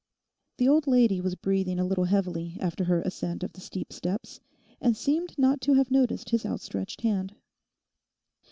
The old lady was breathing a little heavily after her ascent of the steep steps, and seemed not to have noticed his outstretched hand.